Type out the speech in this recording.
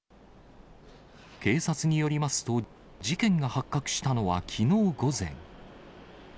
警察によりますと、事件が発覚したのはきのう午前。